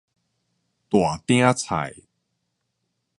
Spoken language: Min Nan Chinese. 大鼎菜